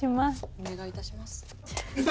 お願いいたします。